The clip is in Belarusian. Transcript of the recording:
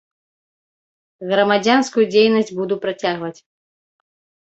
Грамадзянскую дзейнасць буду працягваць.